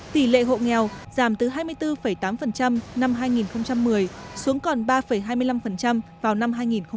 tỷ lệ hộ nghèo giảm từ hai mươi bốn tám năm hai nghìn một mươi xuống còn ba hai mươi năm vào năm hai nghìn một mươi bảy